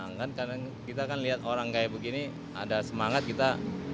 senang kan karena kita kan lihat orang kayak begini ada semangat kita